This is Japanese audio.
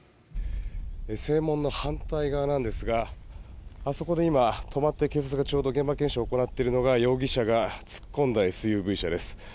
正門の反対側なんですがあそこで今、止まって警察がちょうど現場検証を行っているのが容疑者が突っ込んだＳＵＶ車です。